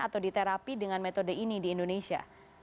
atau diterapi dengan metode ini di indonesia